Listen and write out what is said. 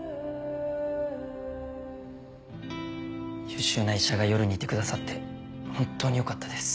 優秀な医者が夜にいてくださって本当によかったです。